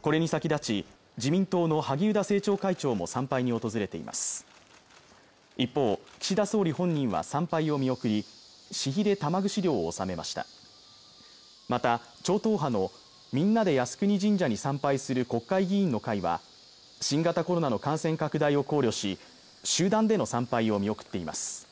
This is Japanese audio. これに先立ち自民党の萩生田政調会長も参拝に訪れています一方、岸田総理本人は参拝を見送り私費で玉串料を納めましたまた超党派のみんなで靖国神社に参拝する国会議員の会は新型コロナの感染拡大を考慮し集団での参拝を見送っています